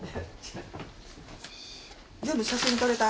全部写真撮れた？